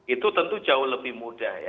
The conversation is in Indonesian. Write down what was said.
itu tentu jauh lebih mudah ya